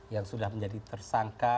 yang sudah menjadi tersangka